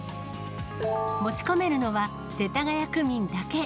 持ち込めるのは、世田谷区民だけ。